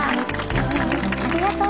ありがとう。